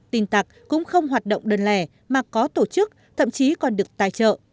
tin tặc cũng không hoạt động đơn lẻ mà có tổ chức thậm chí còn được tài trợ